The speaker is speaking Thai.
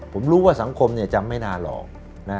ผมรู้ว่าสังคมจำไม่นานหรอก